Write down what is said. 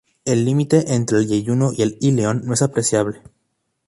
El límite entre el yeyuno y el íleon no es apreciable.